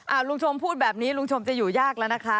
ลุงชมพูดแบบนี้ลุงชมจะอยู่ยากแล้วนะคะ